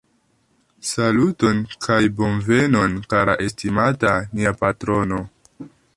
Saluton kaj bonvenon kara estimata, nia patrono